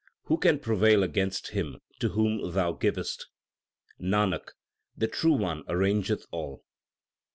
Who can prevail against him to whom Thou givest ? Nanak, the True One arrangeth all.